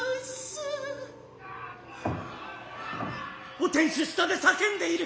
御天守下で叫んで居る。